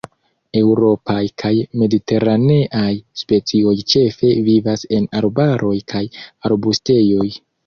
Eŭropaj kaj mediteraneaj specioj ĉefe vivas en arbaroj kaj arbustejoj.